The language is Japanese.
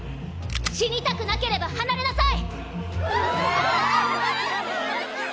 死にたくなければ離れなさい！